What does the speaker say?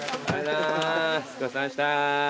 お疲れさまでした。